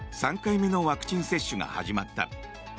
３回目のワクチン接種が始まった。